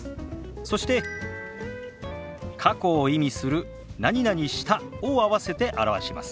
そして過去を意味する「した」を合わせて表します。